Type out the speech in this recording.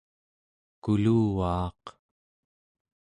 kuluvaaq